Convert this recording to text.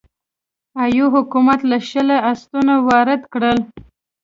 اویو حکومت له شله اسونه وارد کړل.